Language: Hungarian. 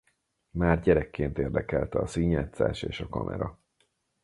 Már gyerekként érdekelte a színjátszás és a kamera.